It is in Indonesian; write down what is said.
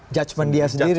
judgment dia sendiri